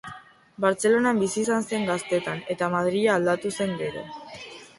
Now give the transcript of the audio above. Bartzelonan bizi izan zen gaztetan eta Madrila aldatu zen gero.